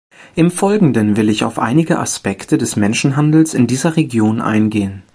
Im Folgenden will ich auf einige Aspekte des Menschenhandels in dieser Region eingehen.